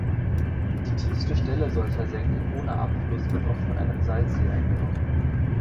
Die tiefste Stelle solcher Senken ohne Abfluss wird oft von einem Salzsee eingenommen.